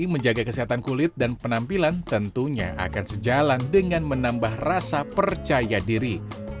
menjaga kesehatan kulit dan penampilan tentunya akan sejalan dengan menambah rasa percaya diri